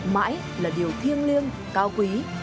mãi là điều thiêng liêng cao quý